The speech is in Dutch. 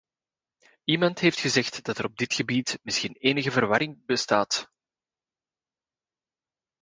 Iemand heeft gezegd dat er op dit gebied misschien enige verwarring bestaat.